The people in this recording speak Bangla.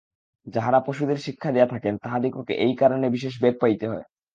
যাঁহারা পশুদের শিক্ষা দিয়া থাকেন, তাঁহাদিগকে এই কারণে বিশেষ বেগ পাইতে হয়।